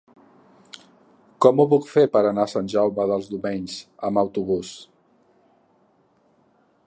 Com ho puc fer per anar a Sant Jaume dels Domenys amb autobús?